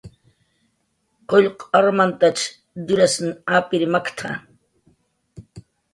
"Qullq armantach turas apir makt""a "